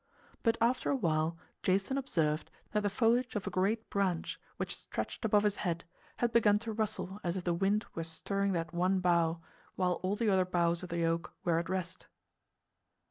But after a while Jason observed that the foliage of a great branch which stretched above his head had begun to rustle as if the wind were stirring that one bough, while all the other boughs of the oak were at rest.